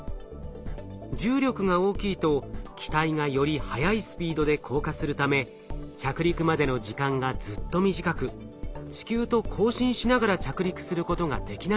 重力が大きいと機体がより速いスピードで降下するため着陸までの時間がずっと短く地球と交信しながら着陸することができないんです。